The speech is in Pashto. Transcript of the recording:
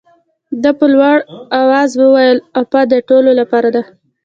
ده په لوړ آواز وویل عفوه د ټولو لپاره ده.